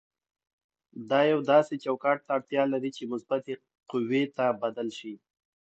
دا یو داسې چوکاټ ته اړتیا لري چې مثبتې قوې ته بدل شي.